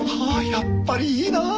やっぱりいいな。